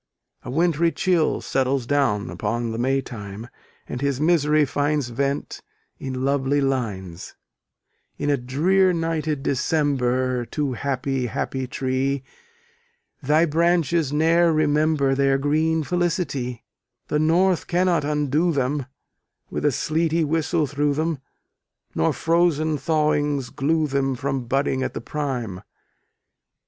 A wintry chill settles down upon the May time, and his misery finds vent in lovely lines In a drear nighted December, Too happy, happy tree, Thy branches ne'er remember Their green felicity: The north cannot undo them, With a sleety whistle through them; Nor frozen thawings glue them From budding at the prime.